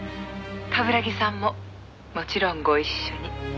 冠城さんももちろんご一緒に」